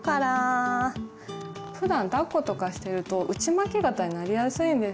ふだんだっことかしてると内巻き肩になりやすいんですね。